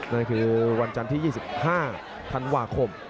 นั่นคือวันจันทร์ที่๒๕ธันวาคม